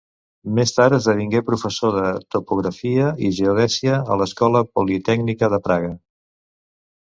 Més tard esdevingué professor de topografia i geodèsia a l'escola politècnica de Praga.